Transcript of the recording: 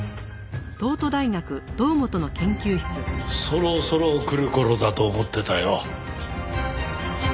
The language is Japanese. そろそろ来る頃だと思ってたよ。